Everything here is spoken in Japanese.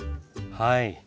はい。